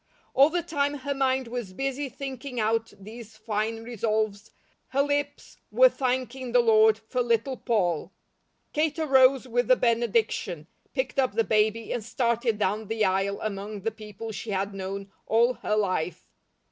All the time her mind was busy thinking out these fine resolves, her lips were thanking the Lord for Little Poll. Kate arose with the benediction, picked up the baby, and started down the aisle among the people she had known all her life.